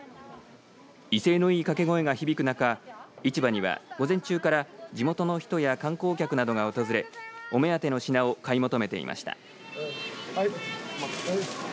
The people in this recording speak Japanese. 威勢のいい掛け声が響く中市場には午前中から地元の人や観光客などが訪れお目当ての品を買い求めていました。